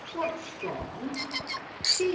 "What strong?" "Tea!